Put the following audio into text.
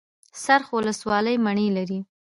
څرخ ولسوالۍ مڼې لري؟